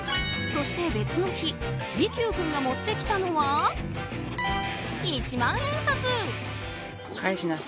そして別の日利休君が持ってきたのは一万円札。